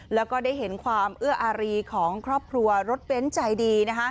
แล้วก็ได้เห็นความเอื้ออารีของครอบครัวรถเบ้นใจดี